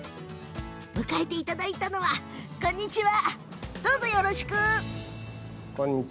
迎えていただいたのはこんにちは！